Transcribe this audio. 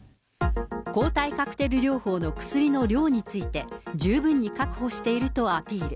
抗体カクテル療法の薬の量について、十分に確保しているとアピール。